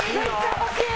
欲しい！